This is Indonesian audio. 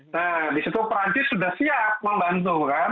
nah di situ perancis sudah siap membantu kan